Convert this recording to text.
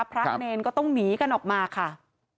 พระเนรก็ต้องหนีกันออกมาค่ะ